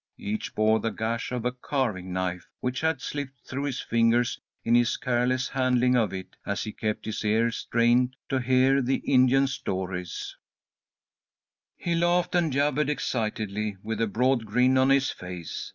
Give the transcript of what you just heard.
Each bore the gash of a carving knife, which had slipped through his fingers in his careless handling of it, as he kept his ears strained to hear the Indian stories. [Illustration: "HE WAS HOLDING OUT BOTH FOREFINGERS"] He laughed and jabbered excitedly, with a broad grin on his face.